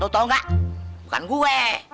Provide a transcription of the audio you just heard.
tau gak bukan gue